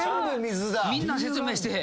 みんな説明して。